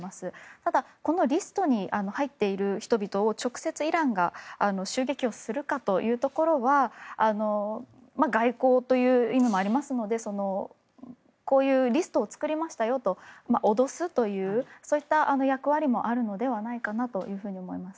ただ、このリストに入っている人々を直接、イランが襲撃するかというところは外交という意味もありますのでこういうリストを作りましたよと脅すという役割もあるのではないかなと思います。